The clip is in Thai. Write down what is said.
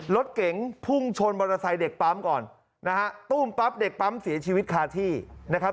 รถเก๋งพุ่งชนมอเตอร์ไซค์เด็กปั๊มก่อนนะฮะตู้มปั๊บเด็กปั๊มเสียชีวิตคาที่นะครับ